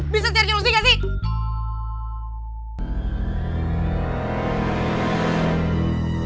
bisa cari jelusi gak sih